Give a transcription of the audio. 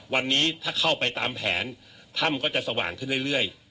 วันนี้ถ้าเข้าไปตามแผนถ้ำก็จะสว่างขึ้นเรื่อย